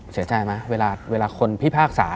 เสียใจไหมเวลาคนพิพากษา